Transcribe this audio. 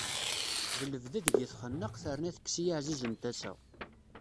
D lebda deg-i txenneq, terna tekkes-iyi aɛziz n tasa.